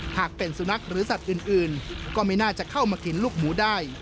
หากเป็นสุนัขหรือสัตว์อื่นก็ไม่น่าจะเข้ามากินลูกหมูได้